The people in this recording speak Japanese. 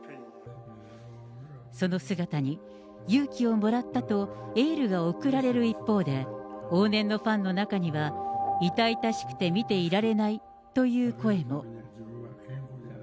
その姿に勇気をもらったとエールが送られる一方で、往年のファンの中には、痛々しくて見ていられないという声も。